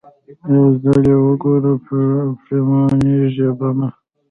يو ځل يې وګوره پښېمانېږې به نه.